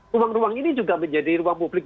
ruang ruang ini juga menjadi ruang publik